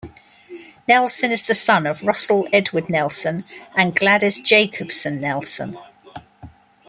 Nelson is the son of Russell Edward Nelson and Gladys Jacobsen Nelson.